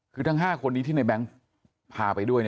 คือทั้ง๕คนนี้ที่ในแบงค์พาไปด้วย